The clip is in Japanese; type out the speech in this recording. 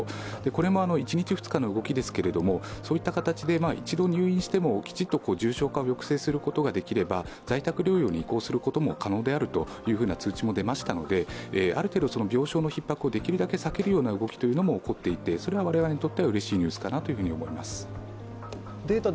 これも１日、２日の動きですけれども一度入院してもきちんと重症化を抑制することができれば在宅療養に移行することが可能であるという通知も出ましたので、ある程度、病床のひっ迫をできるだけ避けるような動きも起こっていてそれは我々にとってはうれしいニュースかなと思います。